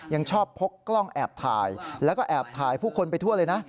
ยังชอบพกกล้องแอบถ่ายแล้วก็แอบถ่ายผู้คนไปทั่วเลยนะ